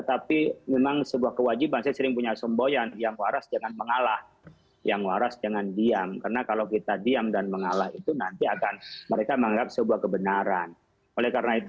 apa yang masuk dalam hal ini